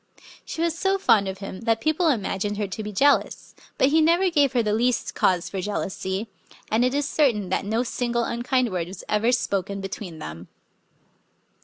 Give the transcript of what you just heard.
She was so fond of him that people imagined her to be jealous. But he never gave her the least cause for jealousy ; and it is certain that no single unkind word was ever spoken between them.